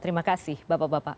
terima kasih bapak bapak